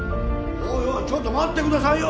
おいおいちょっと待ってくださいよ！